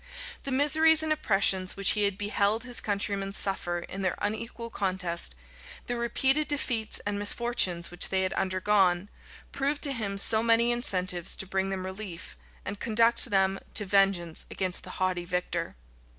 The miseries and oppressions which he had beheld his countrymen suffer in their unequal contest, the repeated defeats and misfortunes which they had undergone, proved to him so many incentives to bring them relief, and conduct them to vengeance against the haughty victor.